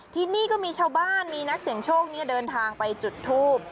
ที่นี่ก็มีชาวบ้านมีนักเสี่ยงโชคเดินทางไปจุดทูบ